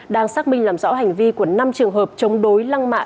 đang xác minh làm rõ hành vi của năm trường hợp chống đối lăng mạ